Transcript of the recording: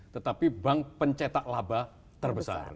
tetapi bank pencetak laba terbesar